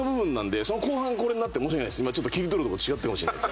今ちょっと切り取るところ違ったかもしれないです。